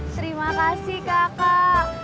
terima kasih kakak